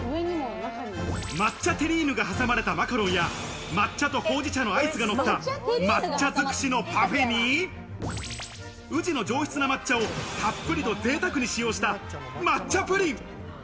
抹茶テリーヌが挟まれたマカロンや、抹茶とほうじ茶のアイスがのった抹茶づくしのパフェに、宇治の上質な抹茶をたっぷりとぜいたくに使用した抹茶プリン。